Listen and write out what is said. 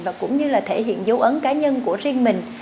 và cũng như là thể hiện dấu ấn cá nhân của riêng mình